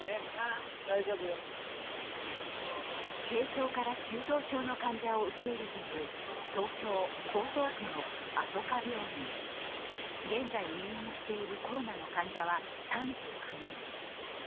軽症から中等症の患者を受け入れている東京・江東区のあそか病院現在入院しているコロナの患者は３９人。